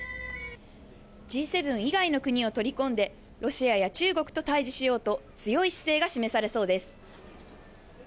Ｇ７以外の国を取り込んで、ロシアや中国と対じしようと強い姿勢が示されそうです。